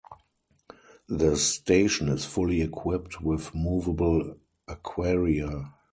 The station is fully equipped with movable aquaria.